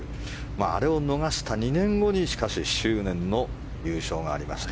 あれを逃した２年後に執念の優勝がありました。